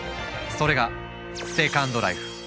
それが「セカンドライフ」。